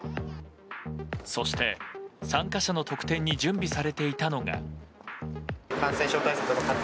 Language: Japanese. そして、参加者の特典に準備されていたのは。